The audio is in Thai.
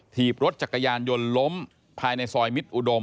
ถีบรถจักรยานยนต์ล้มภายในซอยมิตรอุดม